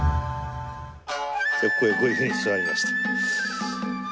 ここへこういうふうに座りまして。